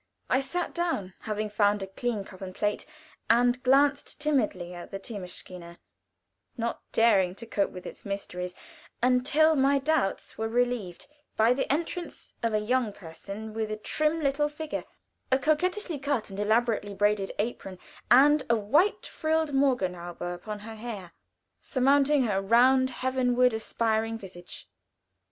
I sat down, having found a clean cup and plate, and glanced timidly at the theemaschine, not daring to cope with its mysteries, until my doubts were relieved by the entrance of a young person with a trim little figure, a coquettishly cut and elaborately braided apron, and a white frilled morgenhaube upon her hair, surmounting her round, heavenward aspiring visage.